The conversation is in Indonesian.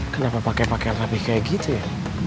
kenapa pakai pakai yang rapih kayak gitu ya